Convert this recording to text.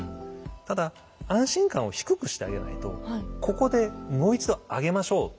ただ安心感を低くしてあげないとここでもう一度上げましょう。